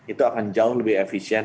itu akan jauh lebih efisien